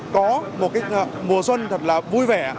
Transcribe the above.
có một mùa xuân thật là vui vẻ